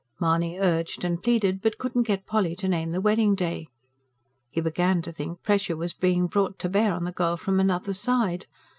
Mahony urged and pleaded, but could not get Polly to name the wedding day. He began to think pressure was being brought to bear on the girl from another side.